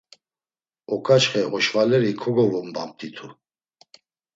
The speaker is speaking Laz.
Oǩaçxe oşvaleri kogovombamt̆itu.